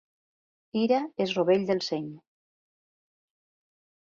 Ira és rovell del seny.